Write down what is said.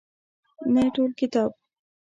نه ټول کتاب.